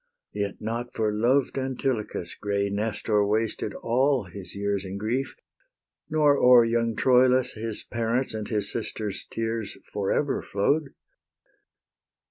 Yet not for loved Antilochus Grey Nestor wasted all his years In grief; nor o'er young Troilus His parents' and his sisters' tears For ever flow'd.